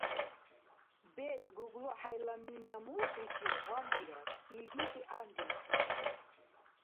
БецӀ ГуглахӀяйла мина-мулкличи гъамбирар. Илди дигӀяндиркур.